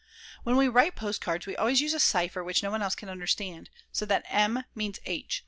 When we write postcards we always use a cipher which no one else can understand, so that M. means H.